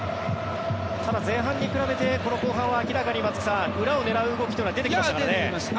前半に比べて後半は明らかに松木さん裏を狙う動きが出てきましたからね。